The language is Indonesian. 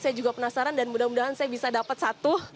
saya juga penasaran dan mudah mudahan saya bisa dapat satu